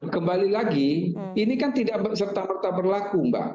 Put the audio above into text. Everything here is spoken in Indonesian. kembali lagi ini kan tidak berserta merta berlaku mbak